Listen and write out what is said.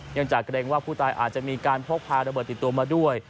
จากเกรงว่าผู้ตายอาจจะมีการพกพาระเบิดติดตัวมาด้วย